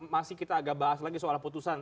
masih kita agak bahas lagi soal putusan